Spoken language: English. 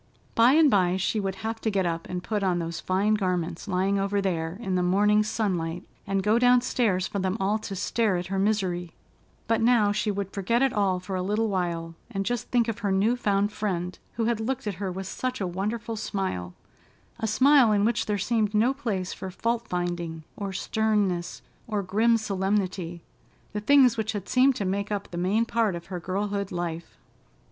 By and by she would have to get up and put on those fine garments lying over there in the morning sunlight, and go downstairs, for them all to stare at her misery; but now she would forget it all for a little while, and just think of her new found friend, who had looked at her with such a wonderful smile—a smile in which there seemed no place for fault finding or sternness or grim solemnity—the things which had seemed to make up the main part of her girlhood life.